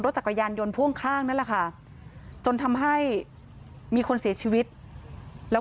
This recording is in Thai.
จักรยานยนต์พ่วงข้างนั่นแหละค่ะจนทำให้มีคนเสียชีวิตแล้ว